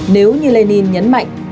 nếu như lê ninh nhấn mạnh